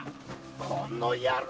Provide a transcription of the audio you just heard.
この野郎！